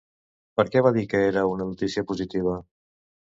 Per què va dir que era una notícia positiva?